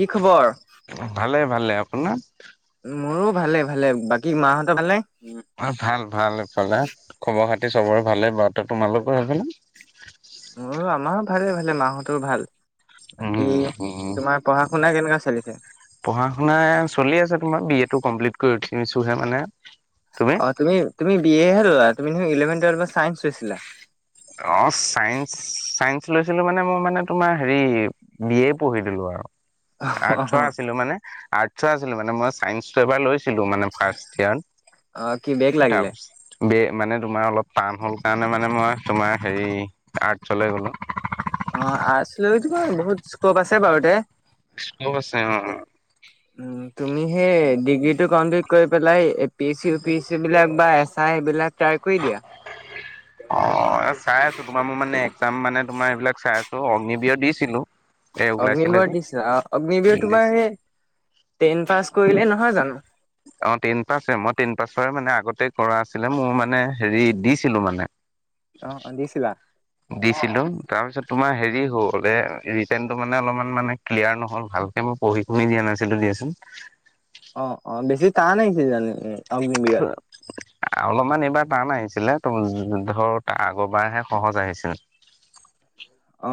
কি খবৰ? ভালে ভালে আপোনাৰ? মোৰো ভালে ভালে বাকী মাহঁতৰ ভালে‌ নে। অ, ভাল ভাল এইফালে খবৰ খাতি চবৰে ভালেই বাৰু ত তোমালোকোৰ ইপিনে। মোৰ আমাৰো ভালেই ভালে মাহতোও ভাল। বাকী উম উম তোমাৰ পঢ়া শুনা কেনেকা চলিছে। পঢ়া শুনা চলি আছে তোমাৰ বি এ টো কমপ্লিট কৰি উঠিছোহে মানে। অ, তুমি তুমি বি এহে ল'লা তুমি ইলেভেন টুৱেলভত চাইন্স লৈছিলা। অ, চাইন্স চাইন্স লৈছিলো মানে মই মানে তোমাৰ হেৰি। বি এ পঢ়ি দিলো আৰু। আৰ্টছৰ আছিলো মানে আৰ্টছ আছিলো মানে মই চাইন্সটো এবাৰ লৈছিলো মানে। ফাৰ্ষইয়াৰ অ কি বেক লাগিলে? তাৰপাছত বি এ মানে তোমাৰ অলপ টান হ'ল কাৰণে মানে মই তোমাৰ হেৰি আৰ্টচলৈ গ'লো। অ, আছিল বাৰু বহুত সকোপ আছে বাৰটে। ছে, আছে উম। উম, তুমি সেই ডিগ্ৰীটো কমপ্লিট কৰি পেলাই A P SC U P SC বিলাক বা এছ আই এই বিলাক ট্ৰাই কৰি দিয়া। অ, চাই আছো তোমাৰ মোৰ মানে একজাম মানে তোমাৰ এইবিলাক চাই আছো। ত অগ্নিবিৰত দিছিলোঁ। অগ্নিবিৰত দিছে অগ্নিবিৰত ইংলিছ তোমাৰ সেই টেন পাছ কৰিলে নহয় জানো। অ, টেন পাছে মই তিন পাছৰে মানে আগতে কৰা আছিলে মোৰ মানে হেৰি দিছিলো মানে। অ, অ, দিছিলা। দিছিলো তাৰপিছত তোমাৰ হেৰি হ'ল ৰিটাৰণটো মানে অলপমান মানে ক্লিয়াৰ নহ'ল ভালকে মই পঢ়ি শুনি দিয়া নাছিলো দিয়াচোন। অ, অ, বেছি টান আহছে জানে অগ্নিবিৰত। অলপমান এইবাৰ টান আহিছিলে ত ধৰ আগৰবাৰহে সহজ আহিছিল।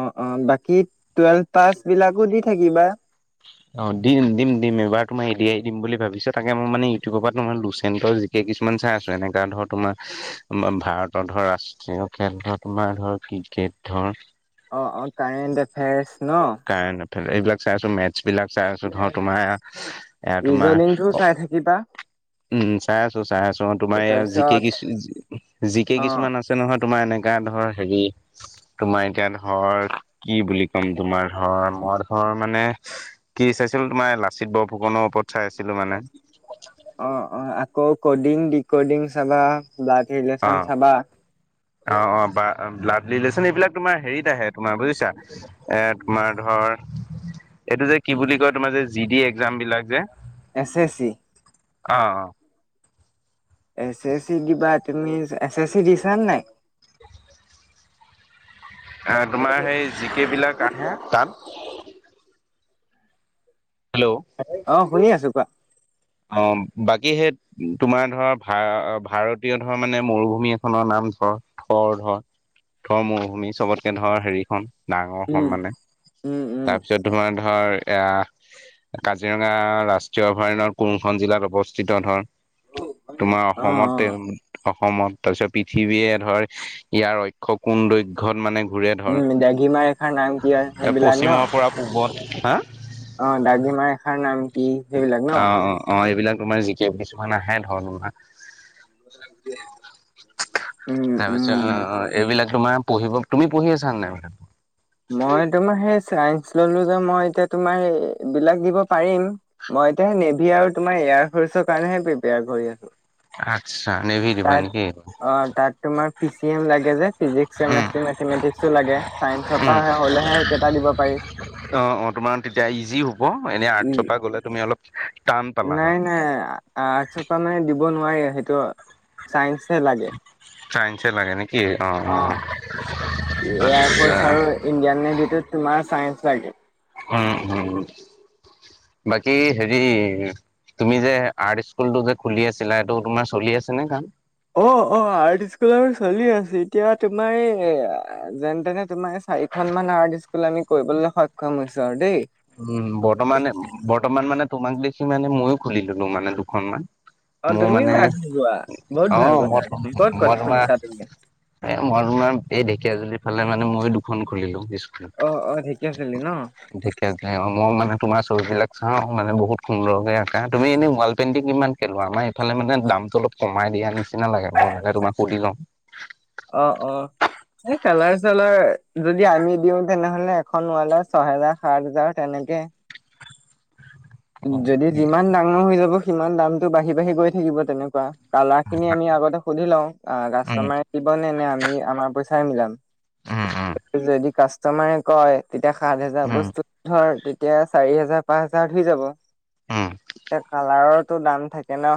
অ, অ, বাকী টুৱেলভ পাছ বিলাকো দি থাকিবা। অ, দিম দিম দিম এবাৰ তমাৰ এডিয়াৰি দিম বুলি ভাবিছো তাকে মই মানে ইউটিউবৰ পৰা তোৰ লুচেণ্টৰ কেই কিছুমান চাই এনেকা ধৰ তোমাৰ ম, ভাৰতৰ ধৰ ৰাষ্ট্ৰীয় খেল ধৰ তোমাৰ ধৰ ক্ৰিকেট ধৰ। অ, অ, কাৰেণ্ট এফেয়াৰ্চ ন কাৰেক্ট এফাৰেচ এইবিলাক চাই আছো মেচ বিলাক চাই আছো ধৰ তোমাৰ, এ তোমাৰ ৰিজনিংটো অ চাই থাকিবা উম, চাই আছো চাই আছো অ, তোমাৰ ইয়া জিকে তাৰপিছত কিছু জিকে অ কিছুমান আছে। নহয় তোমাৰ এনেকা ধৰ হেৰি তোমাৰ এতিয়া ধৰ কি বুলি ক'ম তোমাৰ হয় মই ধৰ মানে কি চাইছিলো তোমাৰ লাচিত বৰফুকনৰ ওপৰত চাই আছিলো মানে। অ, অ, আকৌ কডিং ডিকডিং চাবা ব্লাড অ ৰিলেচন চাবা। অ, অ, বা ব্লাড ৰিলেশ্যন এইবিলাক তোমাৰ হেৰিত আহে তোমাৰ বুজিছা। এ, তোমাৰ ধৰ। এইটো যে কি বুলি কয় তোমাৰ যে জি ডি একজাম বিলাক যে। S, S, C. অ, অ, এছ এছ চি দিবা তুমি এছ এ চি দিছা নে নাই। তোমাৰ সেই জিকে বিলাক আহে তাত। হেল্ল, অ', শুনি আছো কোৱা। অ', বাকী সেই তোমাৰ ধৰা ভা ভাৰতীয় ধৰা মানে মৰুভূমি এখনৰ নাম ধৰ। থৰ ধৰ থৰ মৰুভূমি চবতকে ধৰ হেৰিখন উম ডাঙৰখন মানে। উম উম তাৰপিছত তোমাৰ ধৰ এয়া কাজিৰঙা ৰাষ্ট্ৰীয় অভয়াৰণ্যৰ কোনখন জিলাত অৱস্থিত ধৰ। তোমাৰ অ অ অসমতে অসমত তাৰপিছত পৃথিৱীয়ে ধৰ ইয়াৰ অক্ষ কোন দৈৰ্ঘ্যত মানে ঘূৰে। ধৰ উম, দ্ৰাঘিম্যা ৰেখাৰ নাম কি ইয়াৰ। পশ্চিমৰ পৰা পূবত হা? অ', দ্ৰাঘিমা ৰেখাৰ নাম কি সেইবিলাক ন অ', অ', অ', এইবিলাক তোমাৰ জিকে কিছুমান আহে ধৰ তোমাৰ উম তাৰপিছত উম এইবিলাক তোমাৰ পঢ়িব তুমি পঢ়ি আছা নে নাই? মই তোমাৰ সেই চাইন্স ললো যে মই এতিয়া তোমাৰ এইবিলাক দিব পাৰিম। মই এতিয়াে নেভি আৰু তোমাৰ এয়াৰ ফৰ্চৰ কাৰণেহে প্ৰিপেয়াৰ কৰি আছো। আচ্ছা নেভি দিবা তাত নেকি? অ', তাত তোমাৰ পি চি এম লাগে যে ফিজিক্স উম কেমেষ্ট্ৰি মেথমেটিকচো লাগে চাইন্স উম। পৰা হলেহে সেইকেইটা দিব পাৰি। অ', অ', তোমাৰ তেতিয়া ইজি হব এনে উম, আৰ্টছপা গলে তুমি অলপ টান পালা হয়। নাই নাই। আৰ্টছৰ পৰা মানে দিব নোৱাৰি সেইটো চাইন্সহে লাগে। চাইন্সে লাগে নেকি? অ', এয়াৰ ফৰ্চ অ', আৰু ইণ্ডিয়ান নেভিটোত তোমাৰ চাইন্স লাগে। উম, উম, বাকি হেৰি তুমি যে আৰ্ট স্কুল টো যে খুলি আছিলা সেইটো তোমাৰ চলি আছে নে কাম? অ', অ', আৰ্ট স্কুল আৰু চলি আছে এতিয়া তোমাৰ এই যেনে তেনে তোমাৰ চাৰিখন মান আৰ্ট স্কুল আমি কৰিবলৈ সক্ষম হৈছো আৰু দেই। উম, বৰ্তমানে বৰ্তমান মানে তোমাক দেখি মানে মইয়ো খুলিললো মানে দুখনমান। অ', মোৰ মানে তুমিও আৰ্ট শিকোৱা বহুত ভাল অ', মই কথা দেখোন ক'ত মই কত তোমাৰ খুুলিছা তুমি? এ মই তোমাৰ এই ঢেকীয়াাজুলিৰ ফালে মানে মইো দুখন খুলিলো স্কুল। অ', অ', ঢেকিয়াজুলি ন? মই মানে তোমাৰ চবিলাক চাওঁ মানে বহুত সুন্দৰকৈ আঁকা তুমি এনেইৱাল পেইণ্টিং কিমান লোৱা আমাৰ এইফালে মানে দামটো অলপ কমাই দিয়া নিচিনা লাগে মই মানে তোমাক সুধি লওঁ। অ', অ', এই কালাৰ চালাৰ যদি আমি দিওঁ তেনেহলে এখন ৱালৰ ছয়হেজাৰ সাত হাজাৰ তেনেকে। যদি যিমান ডাঙৰ হৈ যাব সিমান দামতটো বাঢ়ি বাঢ়ি গৈ থাকিব তেনেকুৱা। কালাৰ খিনি আমি আগতে সুধি লওঁ উম কাষ্টমাৰে দিবনে নে আমি আমাৰ পইচাই মিলাম। উম উম উম। যদি কাষ্টমাৰে কয় তেতিয়া সাত হাজাৰ উম বস্তুটো ধৰ এতিয়া চাৰি হাজাৰ পাঁচ হাজাৰত হৈ যাব উম এতিয়া কালাৰটো দাম থাকে ন।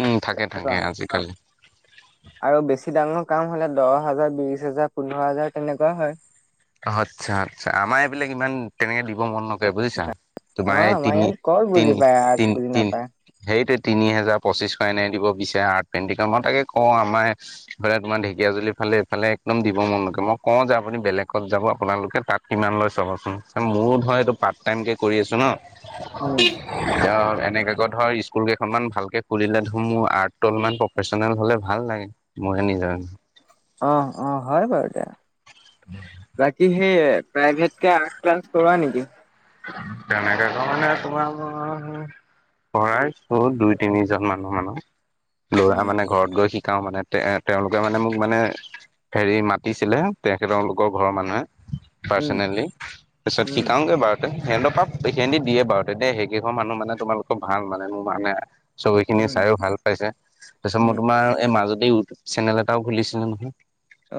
উম, থাকে থাকে তেনেকুৱা আজিকালি। আৰু বেছি ডাঙৰ কাম হলে দহ হাজাৰ বিশ হাজাৰ পোন্ধৰ হাজাৰ তেনেকুৱা হয়। আচ্ছা আচ্ছা আমাৰ এইবিলাক ইমান তেনেকে দিব মন নকৰে বুজিছা অ তোমাৰ আমাৰ ইয়াত তিনি ক'ত বুজি পায় আৰ্ট তি বুজি তি নাপায় সেইটোৱে তিনি হেজাৰ পঁচিছশ এনে দিব বিচাৰে আৰ্ট পেইণ্টিঙট মই তাকে কওঁ আমাৰ এইফালে তোমাৰঢেকীয়াাজুলি ফালে এইফালে একদম দিব মন লাগে মই কওঁ যে আপুনি বেলেগ যাব আপোনালোকে তাত কিমান লয় চাবচোন মোৰো ধৰ এইটো পাৰ্ট টাইম কে কৰি আছো ন। [inaudible] উম। এনেকে কৈ ধৰ স্কুল কেইখনমান ভালকে খুললে ধৰ মোৰ আৰ্টটো অলপমান পাৰ্চনেল হলে ভাল লাগে মইয়ে নিজৰ অ', অ', হয় বাৰুতে বাকী সেই প্ৰাইভেট কে আৰ্ট ক্লাছ কৰোৱা নেকি? [unintelligible] পঢ়াৰ দুই তিনিজন মানুহ লৰা উম মানে ঘৰত গৈ শিকাও মানে তেওঁলোকে মানে মোক মানে হেৰি মাতিছিলে তেখেত তেওঁলোকৰ ঘৰৰ মানুহে উম পাৰ্চনেলি তাৰিছত উম শিকাওঁগে বাৰু সিহতৰ পা সিহঁতি দিয়ে বাৰু তেতিয়া সেইকেইখন মানুহ মানে তোমালোকৰ ভাল মানে মোৰ মানে চবেইখিনি উম চাইও ভাল পাইছে তাৰপিছত মই উম তোমাৰ এই মাজতে চেনেল এটাও খুলিছিলো নহয়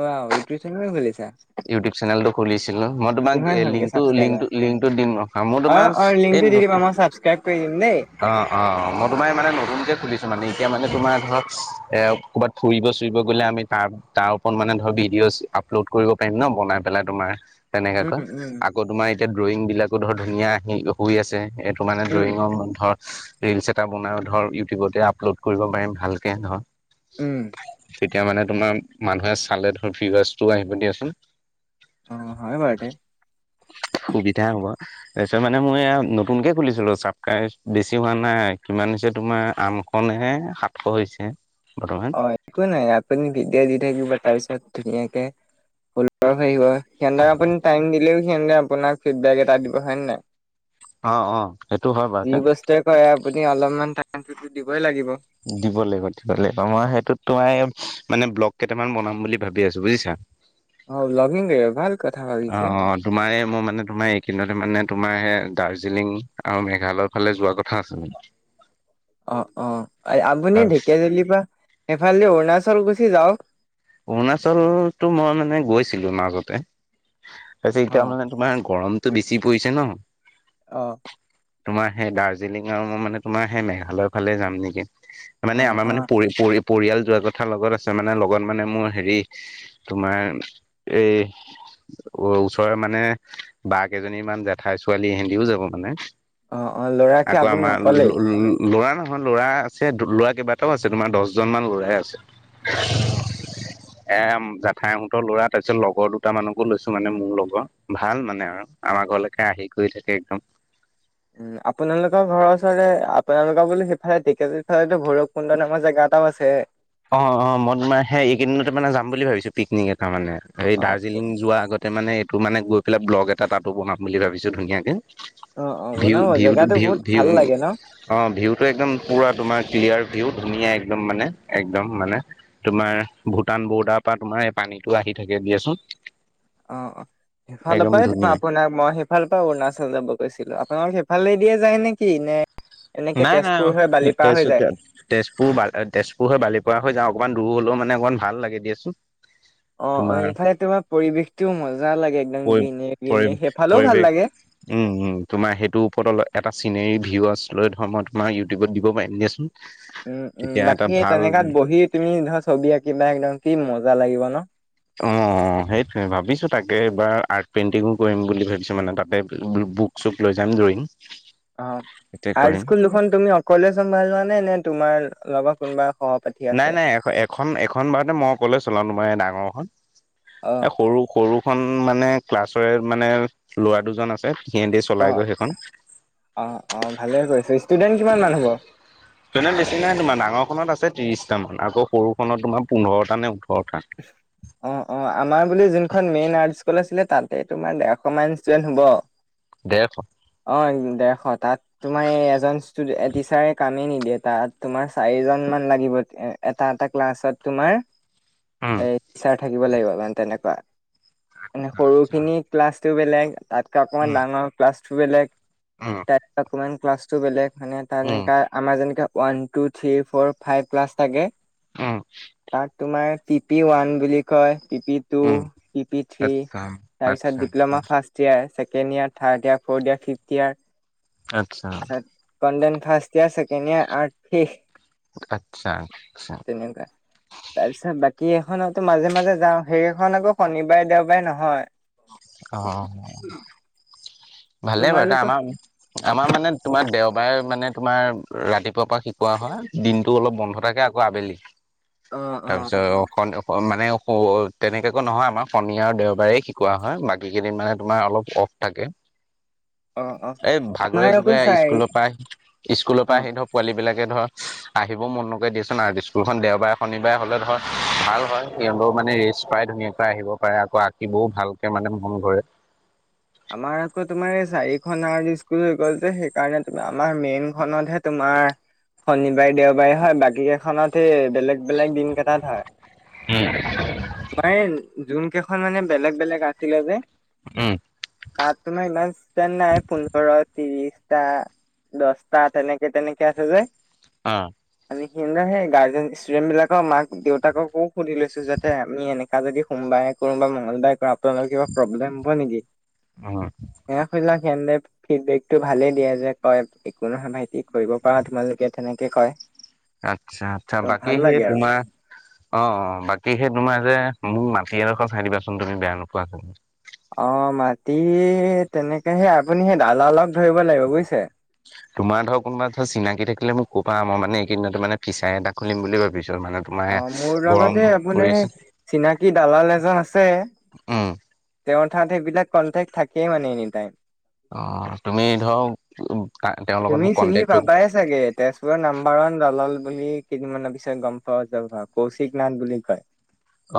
ৱাউ ইউটিব চেনেল খুলিছা ইউটিউব চেনেলটো খুলিছিলো মই তোমাক কিমান হ'লগে লিংকটো ছাবস্ক্ৰাইবাৰ লিংক দিম ৰখা মই অ তোমাৰ অ এই লিংকটো দি দিবা মই ছাবস্ক্ৰাইব কৰি দিম দেই অ', অ', মই তোমাৰ মানে নতুনকে খুলিছো মানে এতিয়া মানে তোমাৰ ধৰ এ ক'ৰবাত ফুৰিব চুৰিব গ'লে আমি তাৰ তাৰ ওপৰত মানে ধৰ ভিডিঅ' আপলোড কৰিব পাৰিম ন বনাই পেলাই তোমাৰ তেনেকাকৈ উম উম আকৌ তোমাৰ এতিয়া ড্ৰয়িং বিলাকো ধৰ ধুনীয়া হুই আছে মানে উম ড্ৰয়িঙৰ ধৰত ৰিলচ এটা বনাইও ধৰ ইউটিউবতে আপলোড কৰিব পাৰিম ভালকে নহয় উম তেতিয়া মানে তোমাৰ মানুহে চালে ধৰ ভিওৱাৰ্চো আহিব দিয়াচোন অ', হয় বাৰুতে সুবিধা হ'ব তাৰপিছত মানে মই এ নতুনকে খুলিছিলো ছাবস্ক্ৰাইব বেছি হোৱা নাই কিমান হৈছে তোমাৰ আম নে সাতশ হৈছে বৰ্তমান অ' একো নাই আপুনি ভিডিঅ' দি থাকিব তাৰ পিছত ধুনীয়াকে সিহঁতক আপুনি টাইম দিলেও সিহঁতে আপোন ফিড বেক এটা দিব হয়ে নাই অ', অ', সেইটো হয় যি বাৰুতে বস্তুৱে আপুনি অলপমান টাইম দিবই লাগিব। দিব লাগিব দিব লাগিব মই সেইটোত তোমাৰ মানে ব্লগ কেইটামান বনাম বুলি ভাবি আছো বুজিছা [inaudible] অ', ব্ললগিং ভাল কথা অ ভাবিছে তোমাৰ এই মোৰ মানে তোমাৰ এইকেই দিনতে মানে তোমাৰ দাৰ্জিলিং আৰু মেঘালয়ৰ ফালে যোৱা কথা আছিল অ', অ', আপুনি ঢেকীয়াজুলিৰ পৰা সেইফালে অৰুণাচল গুচি যাওক অৰুণাচলতো মই মানে গৈছিলো মাজতে তাৰপিছত এতিয়া অ' মানে তোমাৰ গৰমটো বেছি পৰিছে ন অ' তোমাৰ সেই দাৰ্জিলিং আৰু মই মানে তোমাৰ সেই মেঘালয়ৰ ফালে যাম নেকি মানে অ' আমাৰ মানে অ' পৰি পৰি পৰিয়াল যোৱাৰ কথা লগত আছে মানে লগত মানে মোৰ হেৰি তোমাৰ এই ওচৰৰ মানে বা কেইজনীমান জেঠাই ছোৱালী ইহঁতিও যাব মানে অ' অ' ল'ৰাকী আকৌ আপুনি আমাৰ অকলেই? ল'ৰা নহয় ল'ৰা আছে ল'ৰা কেইবাটাও আছে তোমাৰ দহজন মান ল'ৰাই আছে অ' এ জাঠাইহতৰ ল'ৰা তাৰপিছত লগৰ দুটা মানকো লৈছো মানে মোৰ লগৰ ভাল মানে আৰু আমাৰ ঘৰলৈকে আহি গৈ থাকে একদম উম আপোনালোকৰ ঘৰৰ ওচৰৰে আপোনালোকৰ বোলো সিফালে ঢেকিয়াজুলি ফালে ভৈৰৱকুণ্ড নামৰ জেগা এটাও আছে অ', অ', মই তোমাৰ সেই এইকেইদিনতে মানে যাম বুলি ভাবিছো পিকনিক এটা মানে এই অ' দাৰ্জিলিং যোৱা আগত মানে এইটো মানে গৈ পেলাই ব্লগ এটা তাতো বনাম বুলি ভাবিছোঁ ধুনীয়াকৈ অ অ ভিউ বনাব ভি জেগাটো ভিউ বহুত ভিউ ভাল লাগে ন। অ', ভিউটো একদম পুৰা তোমাৰ ক্লিয়াৰ ভিউ ধুনীয়া একদম মানে একদম মানে তোমাৰ ভূটান বৰ্ডাৰ পৰা তোমাৰ এই পানীতটো আহি থাকে দিয়াচোন। অ', অ', সেইফালৰ একদম তাপা মই ধুনীয়া আপোনাক মই ইফাল পৰা অৰুণাচল যাব গৈছিলোঁ আপোনালোক সেইফালে দিয় যায় নেকি নে এনেকে নাই নাই তেজপুৰ হৈ তেজ বালিপাৰ হৈ যায়। তেজপুৰ তেজপুৰ হৈ বালিপ পৰা হৈ যাওঁ অকণমান দূৰ হলেওানে অকমান ভাল লাগে দিয়াচোন। অ', অ', তোমাৰ ইফালে তোমাৰ পৰিৱেশটোও মজা লাগে একদম পৰি গ্ৰীনে পৰি গ্ৰীনে সেইফালেও ভাল পৰিৱেশ লাগে। উম, তোমাৰ সেইটোৰ ওপৰত এটা চিনেৰি ভিউ আছ লৈ ধৰ মই তোমাৰ ইউটিউবত দিব পাৰিম দিয়াচোন উম, উম তেতিয়া এটা বাকী ভাল তেনেকাত বহি তুমি ধৰা ছবি আঁকিবা একদম কি মজা লাগিব ন। অ', অ'। অ', সেই ভাবিছোঁ তাকে এইবাৰ আৰ্ট পেইণ্টিঙো কৰিম বুলি ভাবিছোঁ মানে তাতে বুক চুক লৈ যাম ড্ৰয়িং [inaudible] অ', তাতে আৰ্ট কৰিম স্কুল দুখন তুমি অকলে চম্ভালিবা নে নে তোমাৰ লগত কোনোবা স নাই, নাই এ এখন এখন বাৰতে মই অকলে চলাও তোমাৰ ডাঙৰখন অ এ সৰু, সৰু এখন মানে ক্লাছৰে মানে ল'ৰা দুজন আছে সিহেদি অ চলাই গৈ সেইখন অ', অ', ভালে কৰিছো ষ্টুডেণ্ট কিমান মান হ'ব? হয়। নে বেছি নাই তোমাৰ ডাঙৰখনত আছে ত্ৰিছটামান আকৌ সৰুখনত তোমাৰ পোন্ধৰটা নে ওঠৰটা। হয় [inaudible] অ', অ', আমাৰ বুলি যোনখন মেইন আৰ্ট স্কুল আছিলে তাতে তোমাৰ দেৰশ মাইন ষ্টুডেণ্ট হ'ব। ডেৰশ অ', ডেৰশ তাত তোমাৰ এই এজন ষ্টুড টিচাৰে কামেই নিদিয়ে তাত তোমাৰ চাৰিজন মান লাগিব এটা এটা ক্লাছত তোমাৰ উম এই টিচাৰ থাকিব লাগিব মানে তেনেকুৱা মানে আচ্ছা সৰুখিনি ক্লাছটো বেলেগ তাতকে অকমান উম ডাঙৰ ক্লাছটো বেলেগ উম তাত অকমান ক্লাছটো বেলেগ মানে তাৰ উম যেনেকা আমাৰ যেনেকাে one two three four five plus থাকে উম তাত তোমাৰ পিপি ওৱান বুলি কয় পিপি two um P P three আচ্ছা তাৰ পিছত আচ্ছা diploma first first year second year third year fourth year fifth year আচ্ছা তাৰছত কনডেন first year second year art কি আচ্ছা আচ্ছা। তেনেকুৱা তাৰপিছত বাকী কি এখনততো মাজে, মাজে যাও সেইখন আকৌ শনিবাৰে দেওবাৰে নহয় অ'। ভালে বাৰু এটা তোমালোকৰ আমাৰ আমাৰ মানে তোমাৰ দেওবাৰে মানে তোমাৰ ৰাতিপুৱাৰ পৰা শিকোৱা হয় দিনতটো অলপ বন্ধ থাকে আ আবেলি অ অ তাৰপিছত অ'। মানে তেনেকাকো নহয় আমাৰ শনি আৰু দেওবাৰে শিকোৱা হয় বাকী কেইদিন মানে তোমাৰ অলপ অ'। তাকে। অ অ এ আমাৰ ভাগৰে আকৌ যোগৰে চাৰি স্কুলৰ পৰা আহি স্কুলৰ অ পৰা আহি ধৰ পোৱালী বিলাকে ধৰ আহিবও মন নকৰে দিয়াচোন আৰু স্কুলখন দেওবাৰে শনিবাৰে হ'লে ধৰক ভাল হয় এলও মানে ৰেষ্ট পাই ধুনীয়াকৈ আহিব পাৰে আকৌ আগ শিকিবও ভালকৈ মানে মন কৰে আমাৰ আকৌ তোমাৰ এই চাৰিখন স্কুল হৈ গল যে সেইকাৰণেম আমাৰ মেইনখনতহে তোমাৰ শনিবাৰে দেওবাৰে হয় বাকী কেইখনত এই বেলেগ বেলেগ দিন কেইটাত হয়। উম। মানে যোন কেইখন মানে বেলেগ, বেলেগ আছিলে যে উম। তাত তোমাৰ ইমান নাই পোন্ধৰ ত্ৰিশটা। দছটা তেনেকে, তেনেকে আছে যে অ'। সিদিনা সেই গাৰ্জেন ষ্টুডেণ্টবিলাকৰ মাক দেউতাককো সুধি লৈছোঁ যে যে আমি এনেকা যদি সোমবাৰে কৰোঁ বা মঙ্গলবাৰে কৰোঁ আপ পোনালোকৰ কিবা প্ৰব্লেম হ'ব নেকি? উম [unintelligible] ফিডবেকটো ভালে দিয়ে যে কয় একো নহয়, ভাইটি কৰিব পাৰা তোমালোকে তেনেকে কয়। আচ্ছা, আচ্ছা আৰু বাকী ভাল সেই লাগে আৰু তোমাৰ অ', অ', বাকী সেই তোমাৰ যে মোক মাটি এডোখৰ চাই দিবাচোন তুমি বেয়া নোপোৱা [unintelligible] অ', মাটি তেনেকে সে আপুনি সেই দালালক ধৰিব লাগিব বুইছে! তোমাৰ ধৰ কোনোবা ধৰ চিনাকি থাকিলে মোক ক'বা, মই মানে এইকিদিনতে মানে ফিচাৰী এটা খুলিম বুলি ভাবিছোঁ মানে তোমাৰ অ', মোৰ গৰম লগতে এই পৰি আপোনাৰ আছে এই চিনাকী দালাল এজন আছে। উম তেওঁৰ তাত সেইবিলাক কণ্টেক্ট থাকেই মানে এনিটাইম। অ', তুমি ধৰ আৰু তেওঁৰ লগত তুমি মোক চিনি কণ্টেক্টটো পাবাই চাগে, তেজপুৰৰ নাম্বাৰ ওৱান দালাল বুলি কেইদিনমানৰ পিছত গম পাই যাবা কৌশিক নাথ বুলি কয়।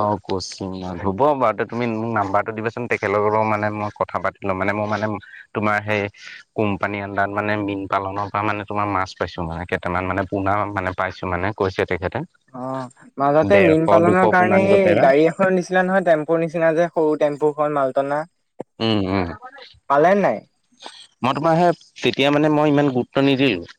অ', কৌচিং নাথ হ'ব বাৰু তুমি মোক নাম্বাৰটো দিবাচোন তেখেতলগত মানে মই কথা পাতি [unintelligible] মানে মই মানে তোমাৰ সেই কোম্পানী আণ্ডাৰত মানে মীন পালনৰ পা মানে তোমাৰ মাছ পাইছোঁ মানে কেইটামান মানে পুনা মানে পাইছোঁ মানে। কৈছে তেখেতে। অ', মাজতে ডেৰশ মীন দুশ পালনৰ পোনা কাৰণে নিব সেই পাৰিবা গাড়ী খনৰ নিচিনা নহয়, টেম্পুৰ নিচিনা যে সৰু টেম্পুখন মালটনা সে উম, উম। মই তোমাৰ সে তেতিয়া মানে মই ইমান গুৰুত্ব নিদিলোঁ।